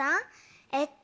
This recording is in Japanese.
えっと